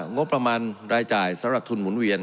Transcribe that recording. งบประมาณรายจ่ายสำหรับทุนหมุนเวียน